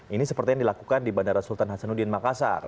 ini seperti yang dilakukan di bandara sultan hasanuddin makassar